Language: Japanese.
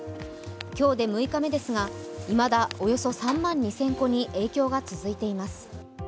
今日で６日目ですがいまだおよそ３万２０００個に影響が続いています。